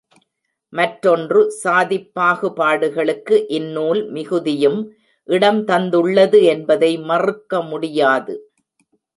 மற்றொன்று சாதிப் பாகுபாடுகளுக்கு இந்நூல் மிகுதியும் இடம் தந்துள்ளது என்பதை மறுக்க முடியாது.